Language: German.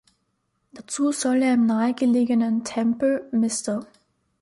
Dazu soll er im nahegelegenen Tempel "Mr.